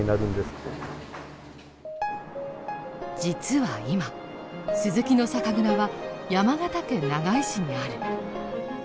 実は今鈴木の酒蔵は山形県長井市にある。